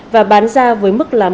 và bán ra với mức là